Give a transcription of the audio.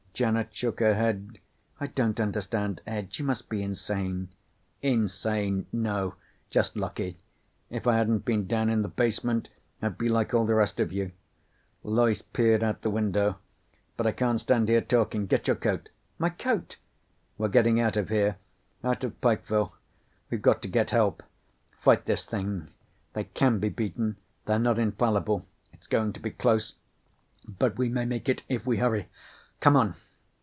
Janet shook her head. "I don't understand, Ed. You must be insane." "Insane? No. Just lucky. If I hadn't been down in the basement I'd be like all the rest of you." Loyce peered out the window. "But I can't stand here talking. Get your coat." "My coat?" "We're getting out of here. Out of Pikeville. We've got to get help. Fight this thing. They can be beaten. They're not infallible. It's going to be close but we may make it if we hurry. Come on!"